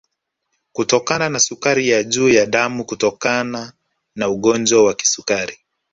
Kutokana na sukari ya juu ya damu kutokana na ugonjwa wa kisukari